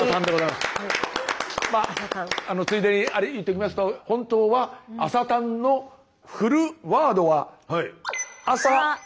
まあついでに言っときますと本当は「朝たん」のフルワードは。